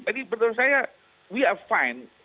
jadi menurut saya kita baik